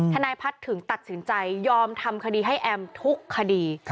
ทนายพัฒน์ถึงตัดสินใจยอมทำคดีให้แอมทุกคดี